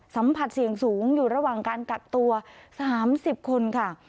สัมผัสเสี่ยงสูงอยู่ระหว่างการกักตัว๓๐คนค่ะ